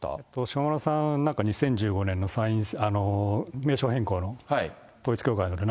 下村さん、なんか２０１５年の名称変更の、統一教会ので、